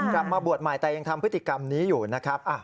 กลับมาบวชใหม่แต่ยังทำพฤติกรรมนี้อยู่นะครับ